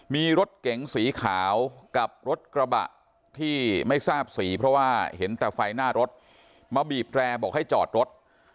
มีรถเก๋งสีขาวกับรถกระบะที่ไม่ทราบสีเพราะว่าเห็นแต่ไฟหน้ารถมาบีบแร่บอกให้จอดรถ